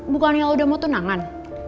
bukannya udah mau tunangan